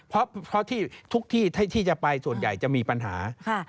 เพราะที่ทุกที่ที่จะไปส่วนใหญ่จะมีปัญหา